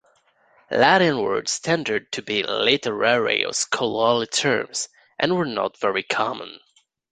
Latin words tended to be literary or scholarly terms and were not very common.